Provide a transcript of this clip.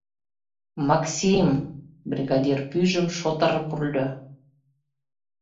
— Максим! — бригадир пӱйжым шотыр пурльо.